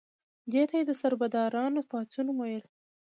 دې ته یې د سربدارانو پاڅون ویل.